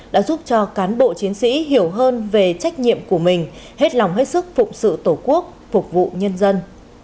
đã giúp cho cán bộ chiến sĩ hiểu hơn về trách nhiệm của mình hết lòng hết sức phụng sự tổ quốc phục vụ nhân dân